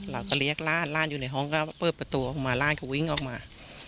เราก็เรียกร่านร่านอยู่ในห้องก็เปิดประตูออกมาร่านเขาวิ่งออกมา